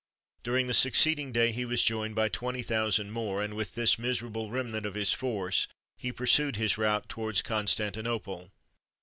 During the succeeding day, he was joined by twenty thousand more, and with this miserable remnant of his force, he pursued his route towards Constantinople.